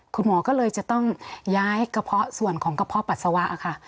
คุณหมอก็เลยจะต้องย้ายกระเพาะส่วนของกระเพาะปัสสาวะค่ะ